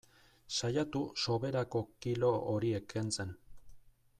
Saiatu soberako kilo horiek kentzen.